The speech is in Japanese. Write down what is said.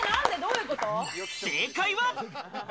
正解は。